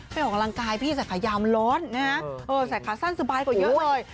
เป็นของรังกายพี่ใส่ขายาวมันร้อนใส่ขาสั้นสบายกว่าเยอะเลย